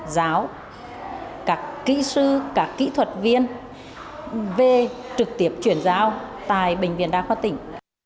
giáo các kỹ sư các kỹ thuật viên về trực tiếp chuyển giao tại bệnh viện đa khoa tỉnh